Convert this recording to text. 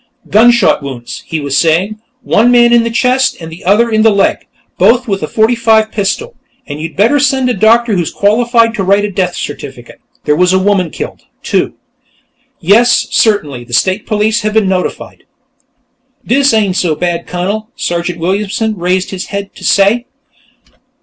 "... gunshot wounds," he was saying. "One man in the chest and the other in the leg, both with a .45 pistol. And you'd better send a doctor who's qualified to write a death certificate; there was a woman killed, too.... Yes, certainly; the State Police have been notified." "Dis ain' so bad, Cunnel," Sergeant Williamson raised his head to say.